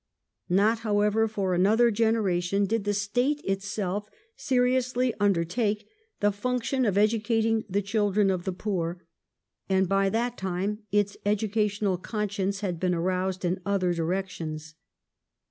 ^ Not, however, for another generation did the State itself seriously undertake the function of educating the children of the poor. And by that time its educational conscience had been aroused in other directions.